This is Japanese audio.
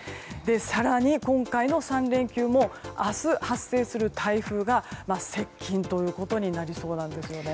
更に、今回の３連休も明日発生する台風が接近ということになりそうです。